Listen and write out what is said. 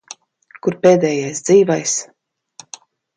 Kur pēdējais dzīvais?